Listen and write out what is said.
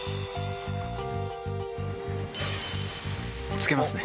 つけますね。